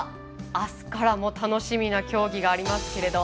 あすからも楽しみな競技がありますけれど